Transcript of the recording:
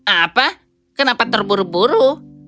apa kenapa terburu buru